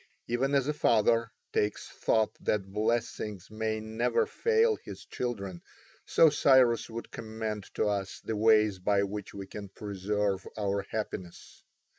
Even as a father takes thought that blessings may never fail his children, so Cyrus would commend to us the ways by which we can preserve our happiness.